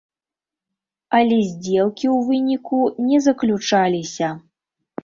Але здзелкі ў выніку не заключаліся.